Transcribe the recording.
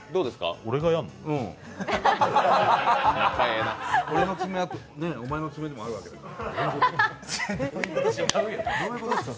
お前の爪は俺の爪でもあるわけだから。